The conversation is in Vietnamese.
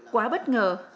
quá bất ngờ